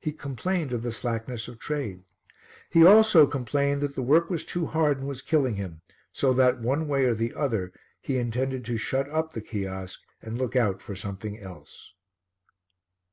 He complained of the slackness of trade. He also complained that the work was too hard and was killing him; so that, one way or the other, he intended to shut up the kiosk and look out for something else.